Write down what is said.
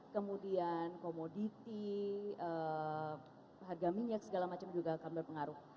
kemudian komoditi harga minyak segala macam juga akan berpengaruh